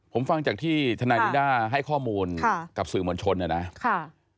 ผมฟังจากที่ทนายนิด้าให้ข้อมูลกับสื่อมวลชนนะครับ